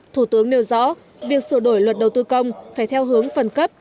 thủ tướng nêu rõ việc sửa đổi luật đầu tư công phải theo hướng phần cấp